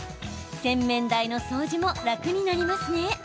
洗面台の掃除も楽になりますね。